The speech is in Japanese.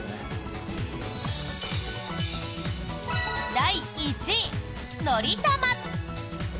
第１位、「のりたま」。